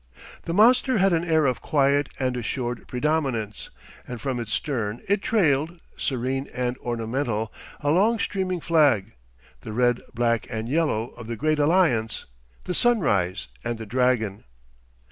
The monster had an air of quiet and assured predominance, and from its stern it trailed, serene and ornamental, a long streaming flag, the red, black, and yellow of the great alliance, the Sunrise and the Dragon.